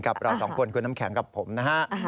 กับเราสองคนคุณน้ำแข็งกับผมนะฮะ